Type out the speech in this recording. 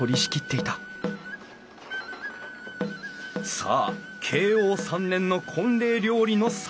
さあ慶応３年の婚礼料理の再現。